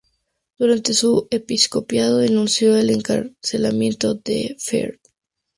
Durante su episcopado, denunció el encarcelamiento de Fr.